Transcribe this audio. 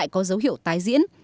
có dấu hiệu tái diễn